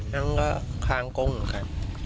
นั่นก็คลางกงค่ะ